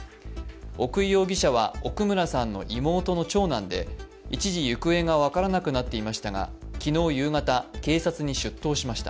奥井容疑者は奥村さんの妹の長男で一時行方が分からなくなっていましたが昨日夕方、警察に出頭しました。